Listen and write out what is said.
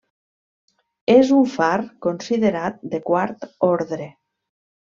És un far considerat de quart ordre.